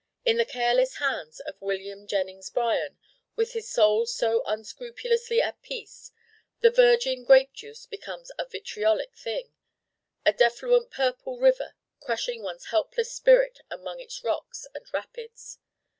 In the careless hands of William Jennings Bryan with his soul so unscrupulously at peace, the virgin grape juice becomes a vitriolic thing: a defluent purple river crushing one's helpless spirit among its rocks and rapids.